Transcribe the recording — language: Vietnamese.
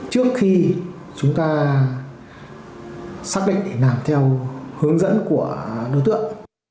trước khi chúng ta xác định để làm theo hướng dẫn của đối tượng